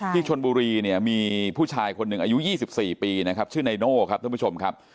ที่ชนบุรีเนี่ยมีผู้ชายคนหนึ่งอายุ๒๔ปีนะครับชื่อไนโน่ครับท่านผู้ชมครับ